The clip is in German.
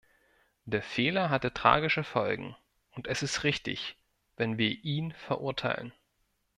Der Fehler hatte tragische Folgen, und es ist richtig, wenn wir ihn verurteilen.